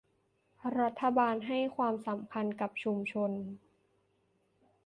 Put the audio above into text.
รัฐบาลให้ความสำคัญกับชุมชน